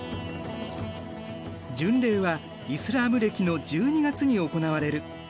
巡礼はイスラーム暦の１２月に行われる。